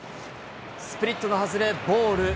スプリットが外れ、ボール。